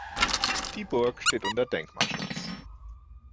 Die Burg steht unter Denkmalschutz.